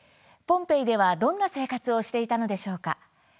ポンペイでは、どんな生活をしていたのでしょうか。